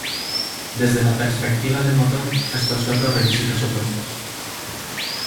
Desde la perspectiva del motor, estos son los requisitos opuestos.